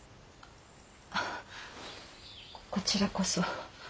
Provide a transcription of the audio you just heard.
あこちらこそ。